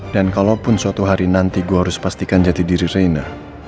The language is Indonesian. dan kalaupun suatu hari nanti gue harus pastikan jati diri reina